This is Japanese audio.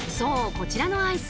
こちらのアイス